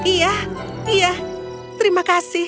iya iya terima kasih